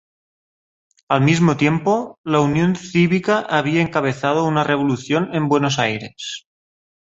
Al mismo tiempo, la Unión Cívica había encabezado una revolución en Buenos Aires.